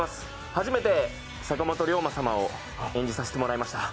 初めて坂本龍馬様を演じさせてもらいました。